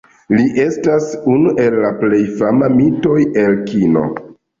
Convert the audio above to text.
Li estas unu el la plej famaj mitoj el kino.